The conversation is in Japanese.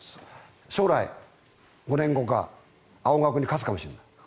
将来、５年後か青学に勝つかもしれない。